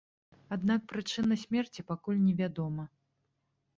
Аднак прычына смерці пакуль не вядома.